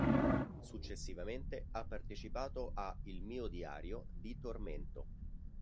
Successivamente ha partecipato a "Il mio diario" di Tormento.